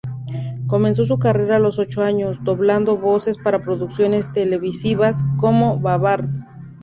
Comenzó su carrera a los ocho años, doblando voces para producciones televisivas como "Babar".